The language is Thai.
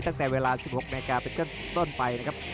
ตั้งแต่เวลา๑๖นาทีเป็นต้นไปนะครับ